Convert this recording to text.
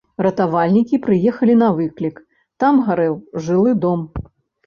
Ратавальнікі прыехалі на выклік, там гарэў жылы дом.